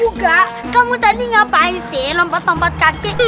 enggak kamu tadi ngapain sih lompat lompat kaki